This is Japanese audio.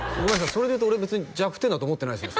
それで言うと俺別に弱点だと思ってないですね